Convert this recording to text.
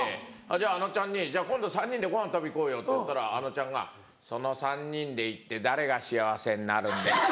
じゃああのちゃんに「今度３人でご飯食べ行こうよ」って言ったらあのちゃんが「その３人で行って誰が幸せになるんですか？」。